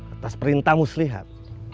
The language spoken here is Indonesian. atas perintah muslihat